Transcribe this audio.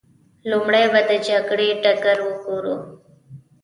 لومړی به د جګړې ډګر وګورو.